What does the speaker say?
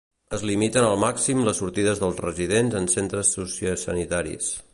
Es limiten al màxim les sortides dels residents en centres sociosanitaris.